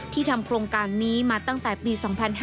ทำโครงการนี้มาตั้งแต่ปี๒๕๕๙